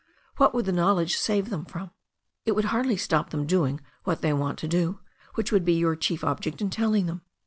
What would the knowledge save them from? It would hardly stop them doing what they want to do, which would be your chief object in telling them."